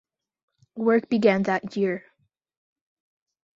Work began that year.